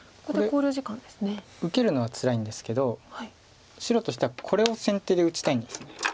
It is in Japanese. これ受けるのはつらいんですけど白としてはこれを先手で打ちたいんです。